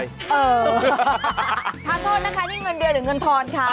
โทษนะคะนี่เงินเดือนหรือเงินทอนค่ะ